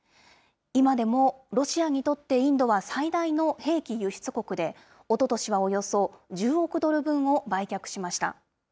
今でもロシアにとってインドは最大の兵器輸出国で、おととしはおよそ１０億ドル分を売却しました。